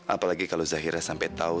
apalagi kalau zahira sampai tau